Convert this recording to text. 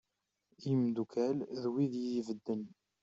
I yimddukal d wid yid-i bedden.